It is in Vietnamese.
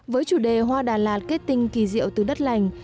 với chủ đề hoa đà lạt kết tinh kỳ diệu từ đất lành